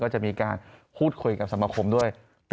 ก็จะมีการพูดคุยกับสมาคมด้วย